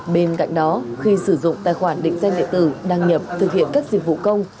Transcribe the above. bên cạnh đó khi sử dụng tài khoản định danh địa tử đăng nhập thực hiện các dịch vụ công